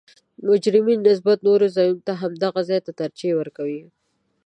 مجرمین نسبت نورو ځایونو ته همدغه ځا ته ترجیح ورکوي